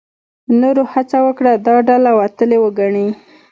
نورو هڅه وکړه دا ډله وتلې وګڼي.